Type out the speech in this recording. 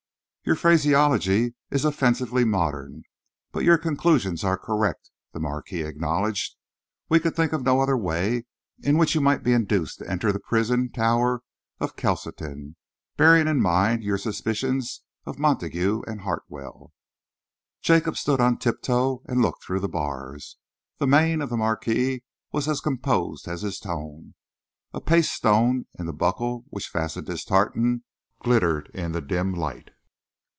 "Your phraseology is offensively modern, but your conclusions are correct," the Marquis acknowledged. "We could think of no other way in which you might be induced to enter the prison tower of Kelsoton, bearing in mind your suspicions of Montague and Hartwell." Jacob stood on tiptoe and looked through the bars. The mien of the Marquis was as composed as his tone. A paste stone in the buckle which fastened his tartan glittered in the dim light.